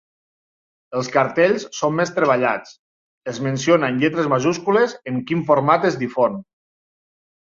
Els cartells són més treballats, es menciona en lletres majúscules en quin format es difon.